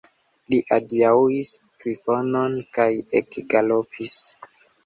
Li adiaŭis Trifonon kaj ekgalopis.